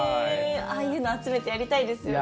ああいうの集めてやりたいですよね。